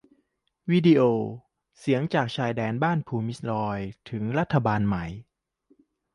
วีดีโอ : เสียงจากชายแดนบ้านภูมิซรอลถึงรัฐบาลใหม่